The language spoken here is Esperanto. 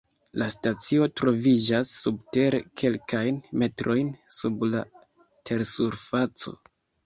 La stacio troviĝas subtere kelkajn metrojn sub la tersurfaco.